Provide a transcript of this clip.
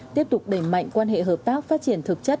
tiếp tục đẩy mạnh quan hệ hợp tác phát triển thực chất